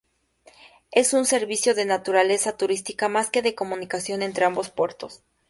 Es un servicio de naturaleza turística más que de comunicación entre ambos puertos.